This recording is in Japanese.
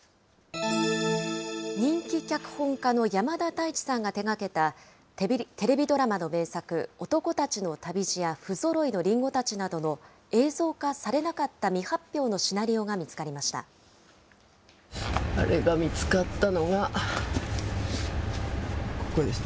人気脚本家の山田太一さんが手がけたテレビドラマの名作、男たちの旅路や、ふぞろいの林檎たちなどの映像化されなかった未発表のシナリオが見つかったのが、これです。